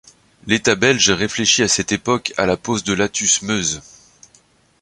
L’État belge réfléchit à cette époque à la pose de l'Athus - Meuse.